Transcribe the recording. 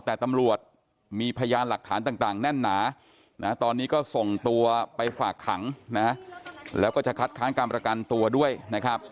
แต่ตำรวจมีพยานหลักฐานต่างแน่นหนานะตอนนี้ก็ส่งตัวไปฝากขังนะแล้วก็จะคัดค้างการประกันตัวด้วยนะครับ